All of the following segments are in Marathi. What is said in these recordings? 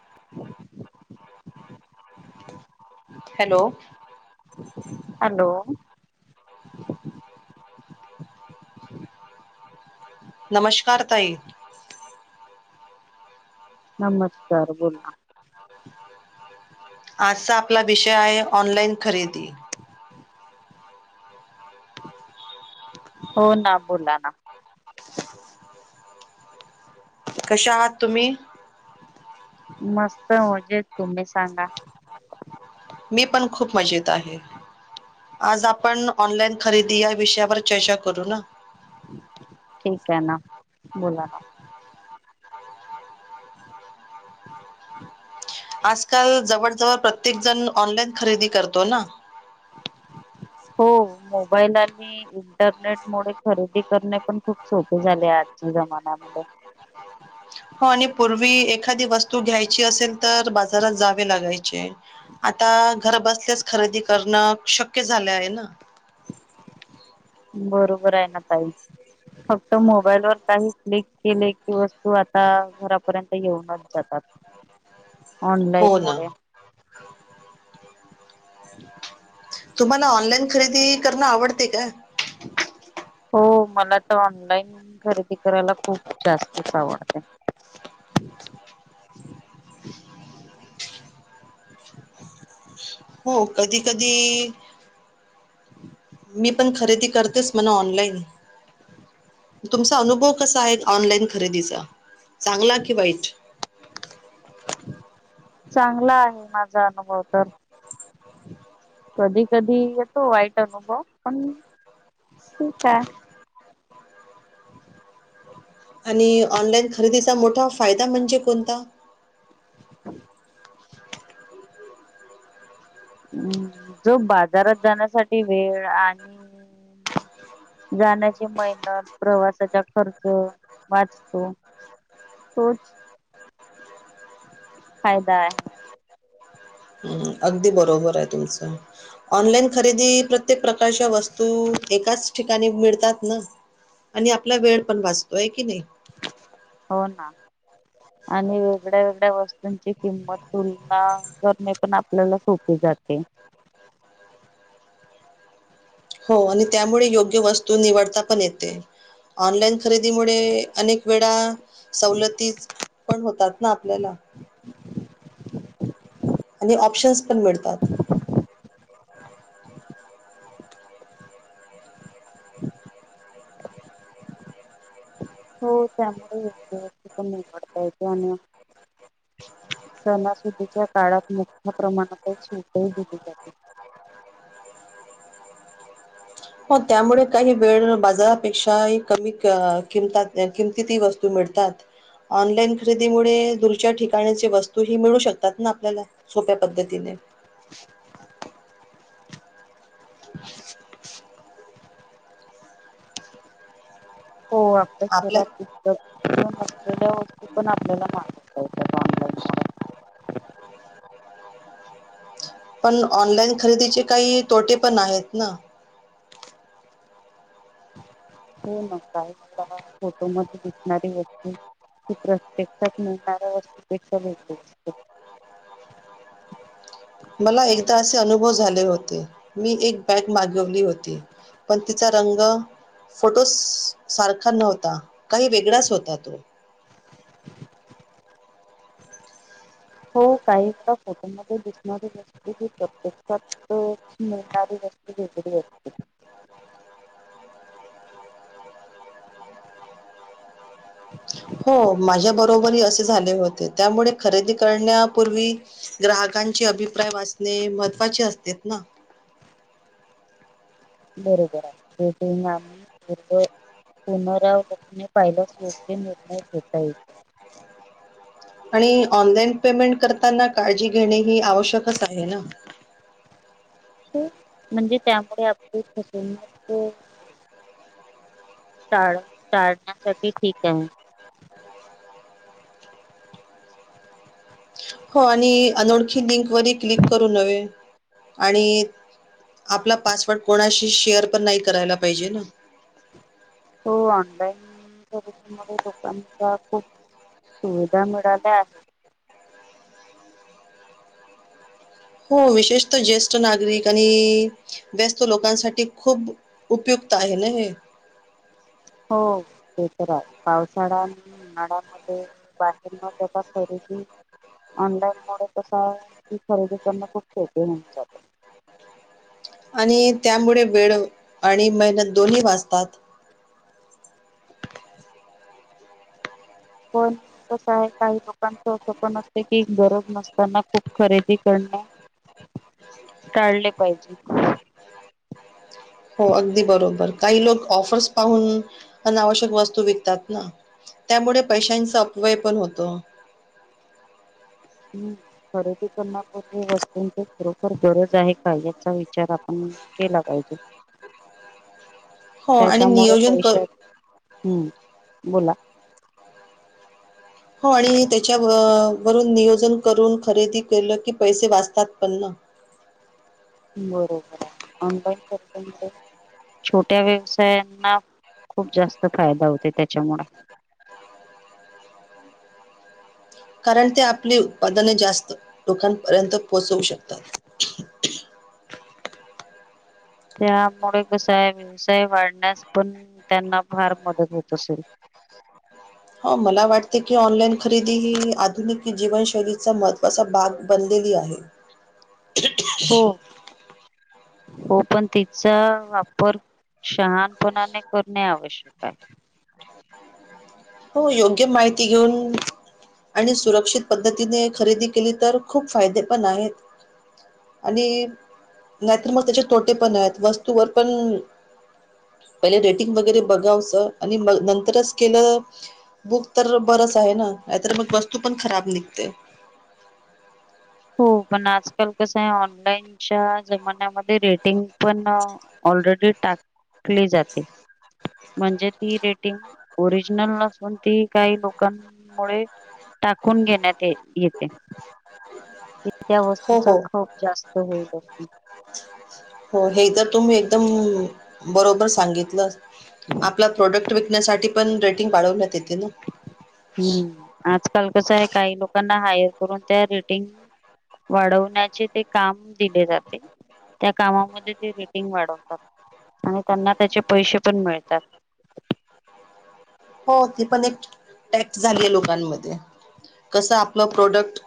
[inaudible] हॅलो, हॅलो, नमस्कार ताई. नमस्कार बोला [inaudible] आजचा आपला विषय आहे, ऑनलाईन खरेदी. होना, बोला ना. [inaudible] कशा आहात तुम्ही? मस्त मजेत. मी पण खूप मजेत आहे. आज आपण ऑनलाईन खरेदी या विषयावर चर्चा करू ना. ठीक ये ना, बोला ना. आजकाल जवळजवळ प्रत्येक जण ऑनलाईन खरेदी करतो ना. हो मोबाईल आणि इंटरनेटमुळे खरेदी करणे पण खूप सोपे झाले आजच्या जमान्यामध्ये. [inaudible] हो आणि पूर्वी एखादी वस्तू घ्यायची असेल तर, बाजारात जावे लागायचे. आता घर बसल्याच खरेदी करणं शक्य झालं आहे ना. [inaudible] बरोबर आहे ना ताई. फक्त मोबाईल वर काही क्लिक केले की, वस्तू आता घरा पर्यंत येऊनच जातात, हो ऑनलाईन ना मुळे. तुम्हाला ऑनलाईन खरेदी करणं आवडते का? हो मला तर ऑनलाईन खरेदी करायला खूप जास्तच आवडते. [inaudible] हो कधी -कधी हम्, मी पण खरेदी करतेस म्हणा ऑनलाईन तुमचा अनुभव कसा आहे. ऑनलाईन खरेदीचा चांगला की वाईट? चांगला आहे माझा अनुभव तर, कधी कधी येतो वाईट अनुभव पण ठीक आहे! आणि ऑनलाईन खरेदीचा मोठा फायदा म्हणजे कोणता? [inaudible] हम्, जो बाजारात जाण्यासाठी वेळ आणि. जाण्याची मेहनत प्रवासाचा खर्च वाचतो. हो, फायदा आहे, अगदी बरोबर आहे तुमचं? ऑनलाईन खरेदी प्रत्येक प्रकारच्या वस्तू एकाच ठिकाणी मिळतात ना? आणि आपला वेळ पण वाचतोय होय की नाही! हो ना आणि वेगळ्या- वेगळ्या वस्तूंची किंमत तुलना करणे. पण आपल्याला सोपी जाते. [inaudible] हो आणि त्यामुळे योग्य वस्तू निवडता पण येते. ऑनलाईन खरेदीमुळे अनेक वेळा सवलती पण होतात ना आपल्याला. आणि ऑप्शनस पण मिळतात. हो त्यामुळे येतय पण निवडता येत आणि आ. सणा-सुदीच्या काळात मोठ्या प्रमाणातच शटही दिली जाते. हो त्यामुळे काही वेळ बाजारापेक्षाही कमी किमत किमतीत ही वस्तू. मिळतात ऑनलाईन खरेदी मुळे दुरच्या ठिकाणीचे वस्तू ही मिळू शकतात ना आपल्याला. सोप्या पद्धतीने, ह, हो आपल्या शहरात उतर असलेलं ओझ, ते पण आपल्याला माहित हाय ते ऑनलाईन. मुळे. [inaudible] पण ऑनलाईन खरेदीचे काही तोटे पण आहेत ना. हो ना काय करायचं, हो दिसणारी वस्तू ही प्रत्यक्षात मिळणाऱ्या वस्तूपेक्षा वेगळी असते. ह ह ह, मला एकदा असे अनुभव झाले होते मी एक बॅग मागवली होती. पण तिचा रंग? फोटो, सारखा नव्हता काही वेगळाच होता तो. हो काही वेळा फोटोमध्ये दिसणारी वस्तू की प्रत्यक्षात मिळणारी नसते. ब [inaudible] हो माझ्या बरोबर असेच. झाले होते त्यामुळे खरेदी करण्यापूर्वी ग्राहकांची अभिप्राय वासत. ने महत्त्वाचे असतेत ना, बरोबर आहे तेथे ना आमचे पुनारव. पाहिलास ओके निर्णय घेता येेइल. ह, आणि ऑनलाईन पेमेंट करताना काळजी घेणे. ही आवश्यकच आहे ना. [inaudible] म्हणजे त्यामुळे आप [inaudible] टळ [inaudible] चाळण्यासाठी ठीक आहे. हो आणि अनोळखी लिंकवरर क्लिक करू [inaudible] न्हे आणि आपला पासवर्ड कोणाशी शेअर पण नाही. करायला पाहिजे ना. [inaudible] तो ऑनलाईन [inaudible] सर्विसंगमुळे लोकांचा खूप [unintelligible] [inaudible] होदा मुळाला आहे हो विशेष तर ज्येष्ठ नागरिक आणि, व्यस्त लोकांसाठी खूप उपयुक्त आहे ना हे. हो ते तर आहे पावसाळ्या. [inaudible] उन्नडामध्ये बाहेर म ज खरीेदी. ऑनलाईन मु कस आहे. की खरेदी करण [inaudible] ख [unintelligible] [inaudible] आणि त्यामुळे वेळ आणि मेहनत दोन्ही वाजतात. पण कसं आहे. काही लोकांच असं पण असते की गरज नसते. [inaudible] लकना खूप खरेदी करणे टाळले पाहिजे. हो अगदी बरोबर काही लोक ऑफर्स पाहून अनावश्यक वस्तू विकतात ना. त्यामुळे पैशांचा अपवय पण होतो. ह् खरेदी करण्यापूर्वी वस्तूंची खरोख गरज आहे. का [inaudible] याचा विचार विचार आपण केला पाहिजे. हो आणि त्याच्यामुळे नियोजन कर पैशात हम्म, बोला. हो आणि, त्याच्या वरून नियोजन करून खरेदी केलं की पैसे वाचतात पण ना. बरोबर आहे. ऑनलाईन करते. छोट्या व्यवसायांना खूप जास्त फायदा होते त्याच्यामुळे. कारण ते आपली उत्पादन जास्त लोकांपर्यंत पोहोचवू शकतात. त्यामुळे कसा आहे. व्यवसाय वाढण्यास पण त्यांना फार मदत होत असेल. हो मला वाटते की, ऑनलाईन खरेदी ही आधुनिक जीवनशैलीचं मत् असं भाग बनलेली आहे. [unintelligible] [inaudible] हली हो हो पण तिचा वापर सहानपणाने करणे आवश्यक आहे. हो योग्य माहिती घेऊन. आणि सुरक्षित पद्धतीने खरेदी केली तर खूप फायदे पण आहेत. आणि नाहीतर मग त्याचे तोटे पण आहेत. वस्तूवर पण पहिले रेटिंग वगैरे बघावचं आणि म नंतरच केलं. बुक तर बरंच आहे ना, नाहीतर मग वस्तू पण खराब निघते. हो पण आजकाल कसं आहे. ऑनलाईनच्या जमान्यामध्ये [inaudible] रेटिंग पण ऑलरेडी टाक [inaudible] जाते म्हणजे ती रेटिंग ओरिजिनल नसून ती काही लोकांमुळे टाकून घेण्यात येते. [inaudible] त्या हो वस्तूचा हो खप जास्त [inaudible] होईल अस हो हे तर तुम्ही एकदम बरोबर सांगितलं. आपला प्रोडक्ट विकण्यासाठी पण रेटिंग [inaudible] वाळवण्यात येते ना. हम्म,, आजकाल कस आहे काही [inaudible] लोकऽ [inaudible] लोकांना हायर करून त्या रेटिंग [inaudible] वाढवण्याचेऽ ते काम दिले जाते, त्या कामामध्ये ते रेटिंग वाढव तात आणि त्यांना त्याचे पैसे पण मिळतात. हो, ती पण एक टॅक्ट झालीय लोकांमध्ये कसं आपलं प्रोडक्ट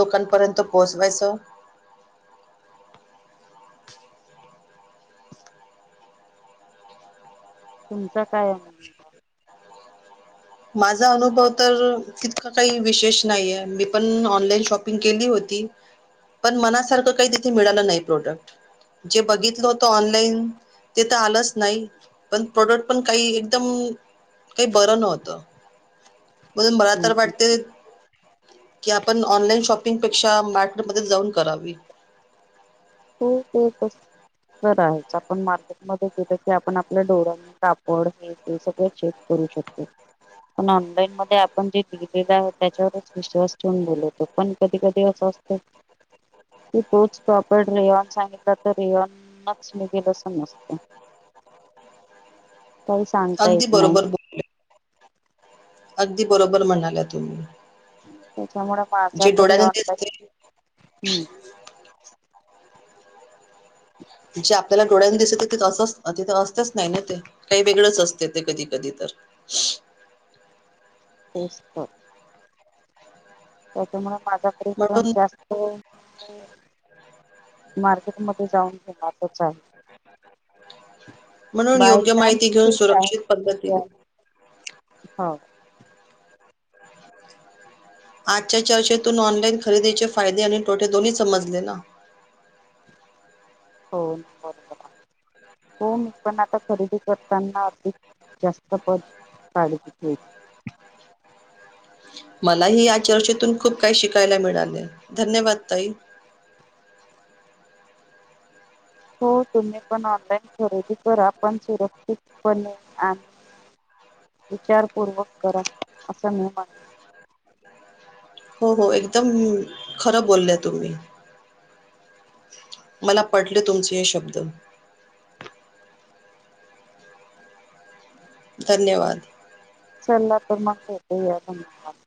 लोकांपर्यंत पोहोचवायचं. तुमचा काय? अनुभव? माझा अनुभव तर, तितका काही विशेष नाहीे, मी पण ऑनलाईन शॉपिंग केली होती. पण मनासारखं काही तिथे मिळालं नाही प्रोडक्ट जे बघितलं होत ऑनलाईन, ते तर आलंच नाही पण प्रोडक्ट पण काही एकदम, काही बरं नव्हतं. म्हणून मला तर हम्म. वाटते कि आपण ऑनलाईन शॉपिंगपेक्षा मार्केटमध्ये जाऊन करावी. हो. तेस बरा आहेच, आपण मार्केटमध्ये ते आपण आपलं डोळण कापड हे ते सगळ चेक करू शकते. पण ऑनलाईन मध्ये आपण जे दिलेलं आहे त्याच्यावरच विश्वास ठेवून बोलवतो, पण कधी- कधी अस असत [inaudible] [inaudible] पड रेयॉन सांगितलं, तर रेयॉनच आसेल आसं समजतंय. काही सांगता अगदी येत नाही. बरोबर बो- अगदी बरोबर म्हणालाय तुम्ही. त्याच्यामुळे माझा जे तरी डोळ्याने ऑनलाईन दिसते [unintelligible] हम्म. जे आपल्याला डोळ्याला दिसतं. तिथं अस, तिथं असतेच आसं नाही ना ते. काही वेगळंच असते ते कधी -कधी तर. तेच तर. त्याच्यामुळे माझाकडे पन म्हणून जास्त मार्केटमध्ये जाऊन घेणारच आहे. म्हणून योग्य माहिती बायचान्स घेऊन ठीक हाय, सुरक्षित पद्धतीने [unintelligible] हो. [inaudible] आजच्या चर्चेतून ऑनलाइन खरेदीचे फायदे आणि तोटे दोन्ही समजले ना. हो बरोबर आहे, हो, मी पण आता खरेदी कर त्यांना अधिक जास्त पद काळजी घेईन. [inaudible] मलाही या चर्चेतून खूप काही शिकायला मिळालं, धन्यवाद ताई. हो तुम्ही पण ऑनलाईन खरेदी करा, पण सुरक्षित पणे आणि विचारपूर्वक करा, असं मी म्हणते. हो -हो एकदम, खरं बोलल्या तुम्ही. मला पटले तुमचे हे शब्द. धन्यवाद. चला तर मग भेटुया धन्यवाद.